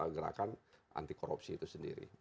ya kepada gerakan anti korupsi itu sendiri